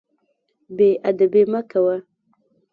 بې ادبي مه کوه.